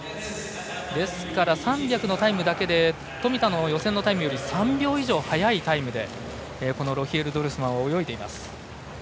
ですから３００のタイムだけで富田の予選のタイムより３秒以上速いタイムでロヒエル・ドルスマンは泳いでいます。